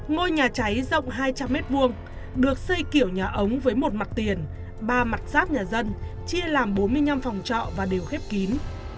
ngôi nhà cháy rộng hai trăm linh m hai được xây kiểu nhà ống với một mặt tiền ba mặt giáp nhà dân chia làm bốn mươi năm phòng trọ và đều khép kín